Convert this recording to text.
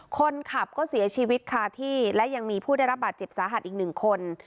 คนขับก็เสียชีวิตคาที่และยังมีผู้ได้รับบาดเจ็บสาหัสอีกหนึ่งคน